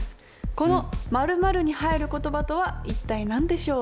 この○○に入る言葉とは一体何でしょう？